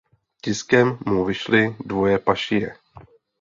Tiskem mu vyšly dvoje pašije.